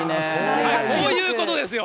こういうことですよ。